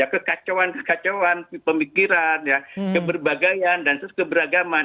kekacauan kekacauan pemikiran keberbagaian dan keberagaman